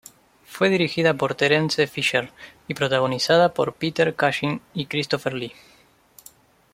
Fue dirigida por Terence Fisher, y protagonizada por Peter Cushing y Christopher Lee.